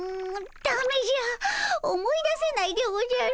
だめじゃ思い出せないでおじゃる。